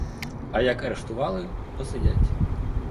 А як арештували, посидять.